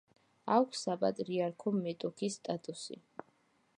აქვს საპატრიარქო მეტოქის სტატუსი.